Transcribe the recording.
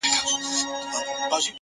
هره ورځ د اصلاح نوی فرصت لري’